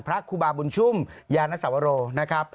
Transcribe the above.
พระครูบาบุญชุ่มยานสวโรนะครับ